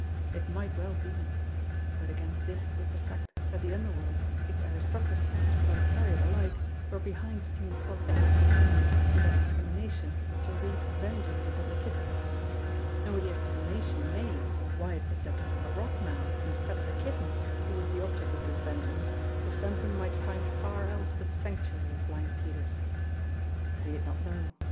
It might well be but against this was the fact that the under world, its aristocracy and its proletariate alike, were behind Steenie Klotz and his companions in their determination to wreak vengeance upon the Kitten, and with the explanation made of why it was Gentleman Laroque now instead of the Kitten who was the object of this vengeance, the Phantom might find far else but sanctuary at Blind Peter's. He did not know.